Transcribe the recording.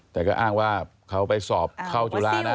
แต่ก็อ้างว่าเขาไปสอบเข้าจุฬานะ